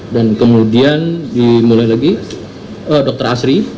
dan kemudian dimulai lagi dokter asri